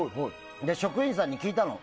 職員さんに聞いたの。